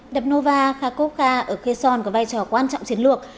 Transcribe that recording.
đập nova kharkovka ở kherson có vai trò quan trọng chiến lược